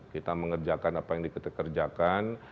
kita mengerjakan apa yang kita kerjakan